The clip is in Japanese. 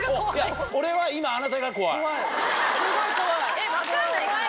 えっ分かんないかな？